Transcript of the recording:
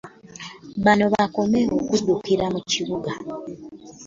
Banobbakome okuddukira mu bibuga